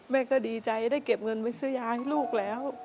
แม่ก็ดีใจได้เก็บเงินไว้ซื้อยาให้ลูกแล้ว